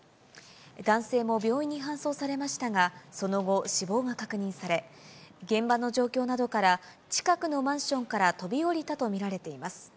男性も病院に搬送されましたが、その後、死亡が確認され、現場の状況などから近くのマンションから飛び降りたと見られています。